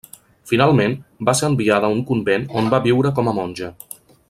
Finalment, va ser enviada a un convent on va viure com a monja.